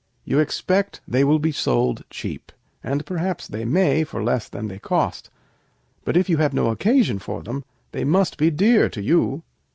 "You expect they will be sold cheap, and perhaps they may be, for less than cost; but, if you have no occasion for them, they must be dear to you.